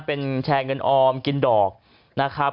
เป็นแชร์เงินออมกินดอกนะครับ